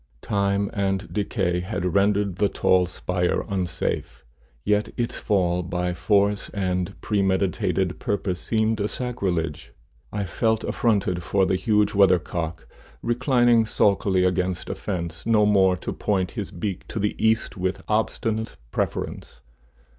Time and decay had rendered the tall spire unsafe, yet its fall by force and premeditated purpose seemed a sacrilege. I felt affronted for the huge weathercock, reclining sulkily against a fence, no more to point his beak to the east with obstinate preference.